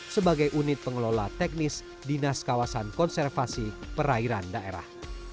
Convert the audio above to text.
sebagai unit pengelola teknis dinas kawasan konservasi perairan daerah